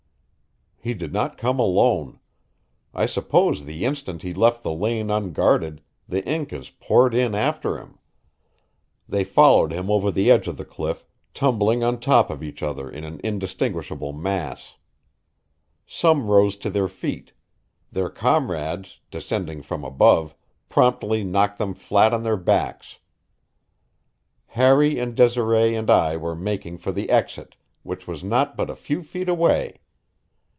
He did not come alone. I suppose the instant he left the lane unguarded the Incas poured in after him. They followed him over the edge of the cliff, tumbling on top of each other in an indistinguishable mass. Some rose to their feet; their comrades, descending from above, promptly knocked them flat on their backs. Harry and Desiree and I were making for the exit, which was not but a few feet away.